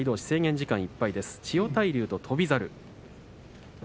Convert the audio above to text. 制限時間いっぱいです千代大龍と翔猿。